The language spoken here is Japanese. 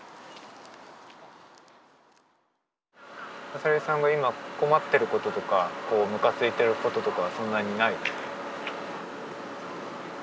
浅利さんが今困ってることとかこうむかついてることとかはそんなにない？